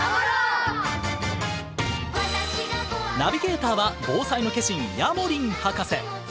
ナビゲーターは防災の化身ヤモリン博士。